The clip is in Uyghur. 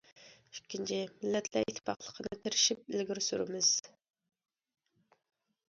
ئىككىنچى، مىللەتلەر ئىتتىپاقلىقىنى تىرىشىپ ئىلگىرى سۈرىمىز.